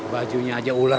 bajunya aja ular